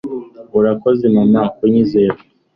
urakoze, mama, kunyizera